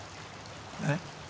えっ？